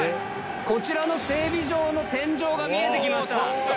こちらの整備場の天井が見えて来ました。